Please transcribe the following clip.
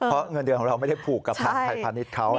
เพราะเงินเดือนของเราไม่ได้ผูกกับทางไทยพาณิชย์เขา